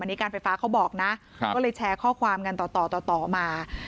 อันนี้การไฟฟ้าเขาบอกนะก็เลยแชร์ข้อความกันต่อต่อมา